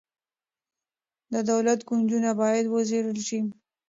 د دولت کونجونه باید وڅیړل شي.